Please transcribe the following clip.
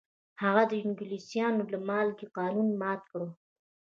هغه د انګلیسانو د مالګې قانون مات کړ.